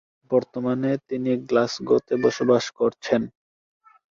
বর্তমানে তিনি গ্লাসগোতে বসবাস করছেন।